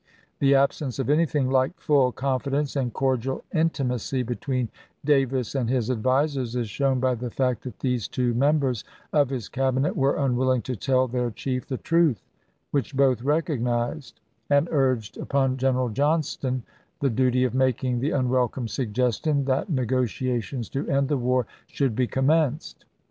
The absence of anything like full confidence and cordial intimacy between Davis and his advisers is shown by the fact that these two members of his Cabinet were unwilling to tell their chief the truth which both recognized, and urged upon General Johnston the duty of making the unwelcome suggestion "that negotiations to end the war should be commenced."